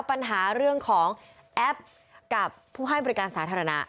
ปัญหาเรื่องของแอปกับผู้ให้บริการสาธารณะ